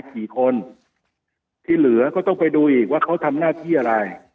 กี่คนที่เหลือก็ต้องไปดูอีกว่าเขาทำหน้าที่อะไร